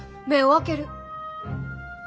目を開ける！